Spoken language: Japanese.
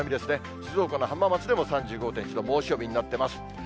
静岡の浜松でも３５．１度、猛暑日になってます。